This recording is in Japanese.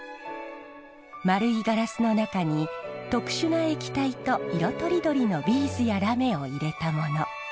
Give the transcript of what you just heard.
丸いガラスの中に特殊な液体と色とりどりのビーズやラメを入れたもの。